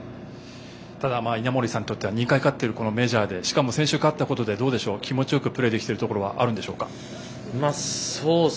ただ、稲森さんにとっては２回勝っているメジャーでしかも先週勝ったことで気持ちよくプレーできているところはあるんでしょうか。